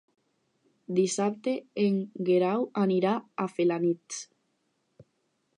Dissabte en Guerau anirà a Felanitx.